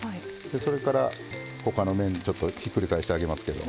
それから他の面にひっくり返してあげますけど。